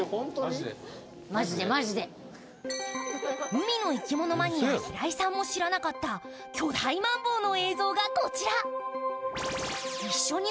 海の生き物マニア・平井さんも知らなかった巨大マンボウの映像がこちら。